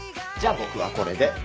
じゃあ僕はこれで。